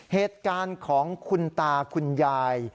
เหตุการณ์ของคุณตาคุณยาย